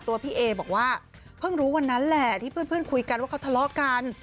พี่เอบอกว่าเพิ่งรู้วันนั้นแหละที่เพื่อนคุยกันว่าเขาทะเลาะกัน